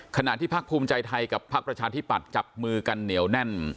ขนาดที่ภาคภูมิใจไทยกับภาคประชาธิบัตรจับมือกันเหนียวแน่น